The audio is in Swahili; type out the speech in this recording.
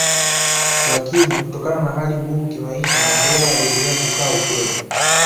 Lakini Kutokana na hali ngumu kimaisha Mandela aliendelea kukaa ukweni